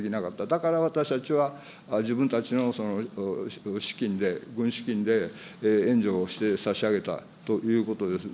だから私たちは、自分たちの資金で、軍資金で、援助をして差し上げたということです。